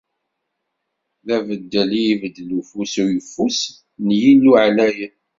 D abeddel i ibeddel ufus ayeffus n Yillu Ɛlayen!